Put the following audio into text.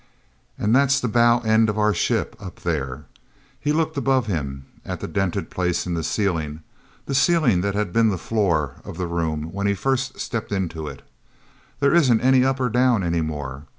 "And that's the bow end of our ship, up there." He looked above him at a dented place in the ceiling, the ceiling that had been the floor of the room when first he stepped into it. "There isn't any up or down any more.